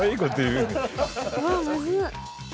うわむずっ！